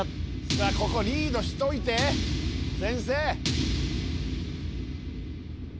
ここリードしといて先生！